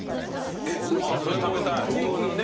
それ食べたい。